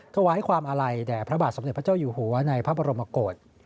ถวายความอาลัยแด่พระบาทสมเด็จพระเจ้าอยู่หัวในพระบรมกฏ